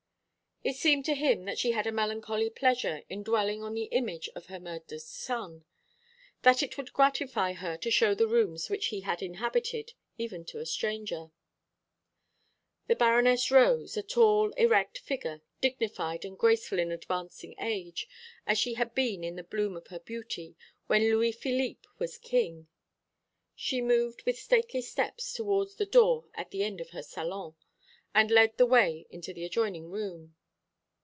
It seemed to him that she had a melancholy pleasure in dwelling on the image of her murdered son; that it would gratify her to show the rooms which he had inhabited, even to a stranger. The Baroness rose, a tall erect figure, dignified and graceful in advancing age as she had been in the bloom of her beauty, when Louis Philippe was king. She moved with stately steps towards the door at the end of her salon, and led the way into the adjoining room.